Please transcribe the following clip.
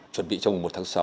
chuẩn bị trong một tháng sau